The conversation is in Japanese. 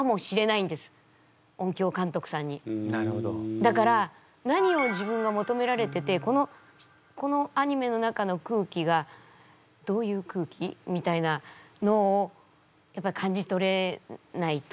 だから何を自分が求められててこのアニメの中の空気がどういう空気？みたいなのをやっぱ感じ取れないと。